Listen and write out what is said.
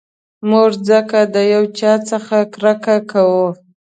موږ ځکه د یو چا څخه کرکه کوو.